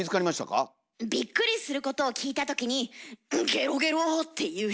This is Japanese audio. びっくりすることを聞いた時に「ゲロゲロ」って言う人。